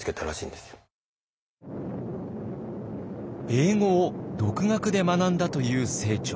英語を独学で学んだという清張。